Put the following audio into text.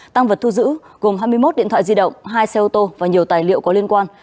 tăng vật thu giữ gồm hai mươi một điện thoại di động hai xe ô tô và nhiều tài liệu có liên quan